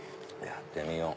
やってみよう。